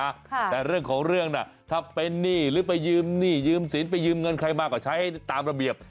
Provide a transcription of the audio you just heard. แต่เรื่องของเรื่องน่ะถ้าเป็นหนี้หรือไปยืมหนี้ยืมสินไปยืมเงินใครมาก็ใช้ตามระเบียบ